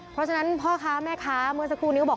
เพราะฉะนั้นพ่อค้าแม่ค้าเมื่อสักครู่นี้ก็บอก